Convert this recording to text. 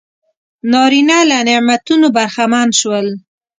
نارینه له نعمتونو برخمن شول.